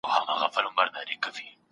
څوک غواړي ثبات په بشپړ ډول کنټرول کړي؟